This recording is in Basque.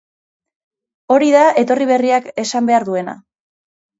Hori da etorri berriak esan behar duena.